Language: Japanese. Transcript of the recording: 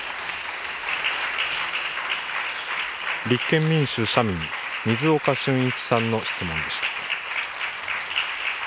立憲民主・社民、水岡俊一さんの質問でした。